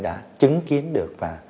đã chứng kiến được và